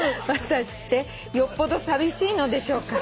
「私ってよっぽど寂しいのでしょうか？」